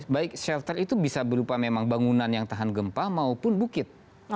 baik shelter itu bisa berupa memang bangunan yang tahan gempa maupun bukit